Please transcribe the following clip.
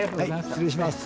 はい失礼します。